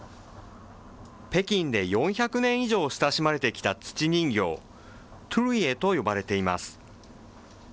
北京で４００年以上親しまれてきた土人形、兎児爺と呼ばれています。